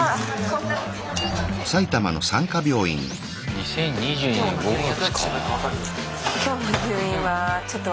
２０２２年５月か。